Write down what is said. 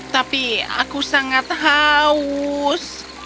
tapi aku sangat haus